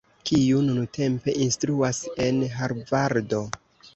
kiu nuntempe instruas en Harvardo.